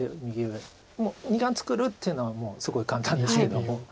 もう２眼作るっていうのはすごい簡単ですけども。